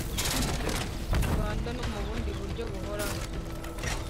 Rwanda no mu bundi buryo buhoraho